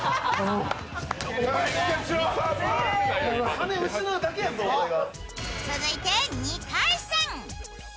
金失うだけやぞ、お前が。